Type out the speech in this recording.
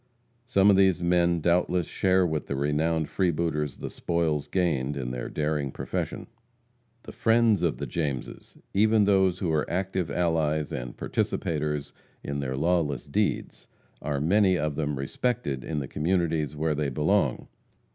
Some of these men doubtless share with the renowned freebooters the spoils gained in their daring profession. The "friends" of the Jameses even those who are active allies and participators in their lawless deeds, are many of them respected in the communities where they belong.